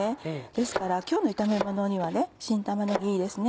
ですから今日の炒めものには新玉ねぎいいですね。